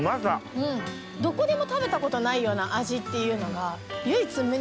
うんどこでも食べたことないような味っていうのが。